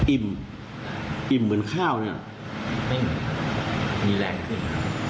อิ่มอิ่มอิ่มเหมือนข้าวเนี้ยไม่เหมือนมีแรงขึ้น